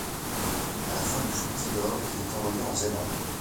À la fin de fructidor, il est envoyé en Zélande.